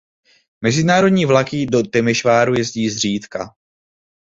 Mezinárodní vlaky do Temešváru jezdí zřídka.